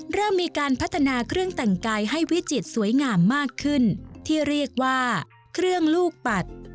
เริ่มมีการพัฒนาเครื่องแต่งกายให้วิจิตรสวยงามมากขึ้นที่เรียกว่าเครื่องลูกปัด